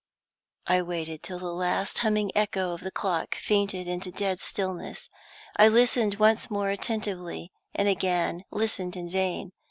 I waited till the last humming echo of the clock fainted into dead stillness. I listened once more attentively, and again listened in vain.